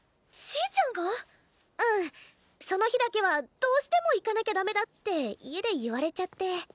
ちぃちゃんが⁉うんその日だけはどうしても行かなきゃダメだって家で言われちゃって。